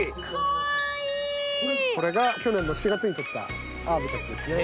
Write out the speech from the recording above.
これが去年の４月に取ったアワビたちですね。